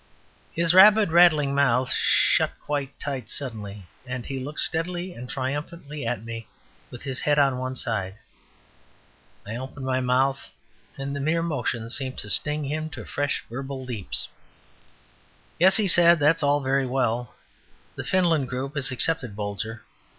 His rapid rattling mouth shut quite tight suddenly, and he looked steadily and triumphantly at me, with his head on one side. I opened my mouth, and the mere motion seemed to sting him to fresh verbal leaps. "Yes," he said, "that's all very well. The Finland Group has accepted Bolger.